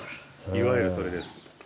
いわゆるそれです。